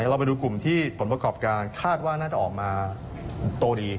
เราไปดูกลุ่มที่ผลประกอบการคาดว่าน่าจะออกมาโตดี